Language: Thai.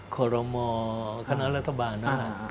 ขอรมอคณะรัฐบาลนะครับ